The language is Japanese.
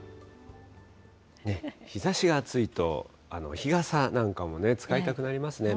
日ざしが暑いと、日傘なんかも使いたくなりますね。